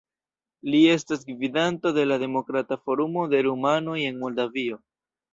Li estas gvidanto de la Demokrata Forumo de Rumanoj en Moldavio.